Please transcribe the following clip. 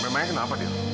memang kenapa deal